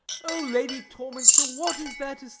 _] Oh, Lady Torminster, what is there to say?